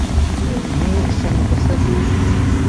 Мы самі па сабе.